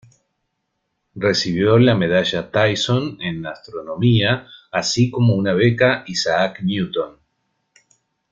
Recibió la Medalla Tyson en astronomía, así como una beca Isaac Newton.